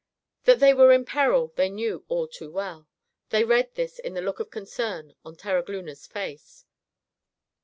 That they were in peril, they knew all too well. They read this in the look of concern on Terogloona's face.